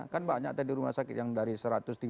kan banyak tadi rumah sakit yang dari satu ratus tiga puluh